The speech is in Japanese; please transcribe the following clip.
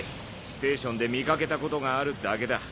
ステーションで見掛けたことがあるだけだ。